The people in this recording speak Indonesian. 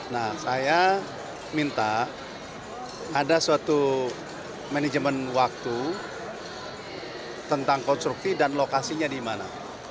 nah saya minta ada suatu manajemen waktu tentang konstruksi dan lokasinya di mana